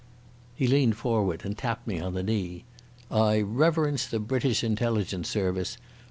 He leaned forward and tapped me on the knee. "I reverence the British Intelligence Service.